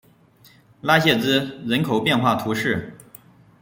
拉谢兹人口变化图示